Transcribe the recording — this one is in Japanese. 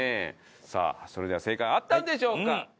さあそれでは正解はあったのでしょうか？